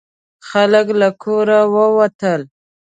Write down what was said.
خلک له کوره ووتل.